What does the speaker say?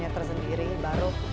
yang tersebut ya terdiri baru